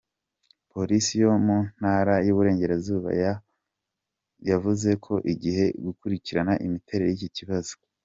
Polisi yo mu Ntara y’Uburengerazuba yavuze ko igiye gukurikirana imiterere y’iki kibazo.